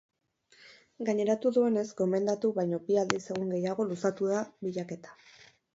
Gaineratu duenez, gomendatu baino bi aldiz egun gehiago luzatu da bilaketa.